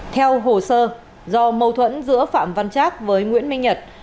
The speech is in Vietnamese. theo hồ sơ do mâu thuẫn giữa phạm văn trác với nguyễn minh nhật